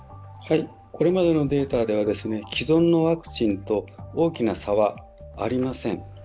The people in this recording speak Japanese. これまでのデータでは既存のワクチンと大きな差はありません。